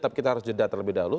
tapi kita harus jeda terlebih dahulu